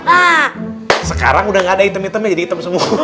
nah sekarang udah gak ada item itemnya jadi hitam semua